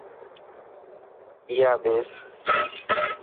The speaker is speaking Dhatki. آئي ٻيس.